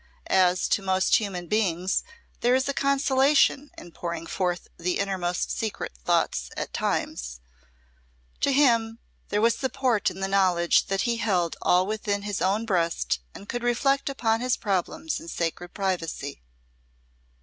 As to most human beings there is a consolation in pouring forth the innermost secret thoughts at times, to him there was support in the knowledge that he held all within his own breast and could reflect upon his problems in sacred privacy.